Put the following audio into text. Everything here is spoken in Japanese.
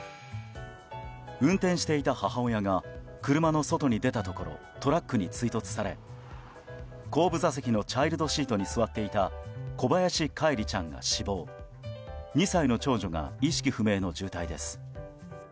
運転していた母親が車の外に出たところトラックに追突され後部座席のチャイルドシートに座っていた小林叶一里ちゃんが死亡２歳の長女が意識不明の重体です。